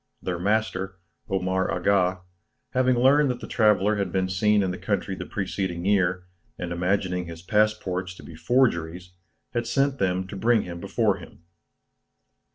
Their master, Omar Aga, having learned that the traveller had been seen in the country the preceding year, and imagining his passports to be forgeries, had sent them to bring him before him.